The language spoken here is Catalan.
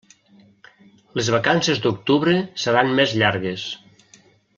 Les vacances d'octubre seran més llargues.